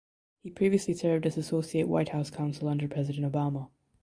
He previously served as Associate White House Counsel under President Obama.